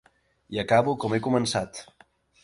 I acabo com he començat.